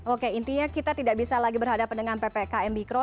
oke intinya kita tidak bisa lagi berhadapan dengan ppkm mikro